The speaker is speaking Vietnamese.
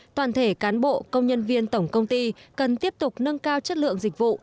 toàn thể cán bộ công nhân viên tổng công ty cần tiếp tục nâng cao chất lượng dịch vụ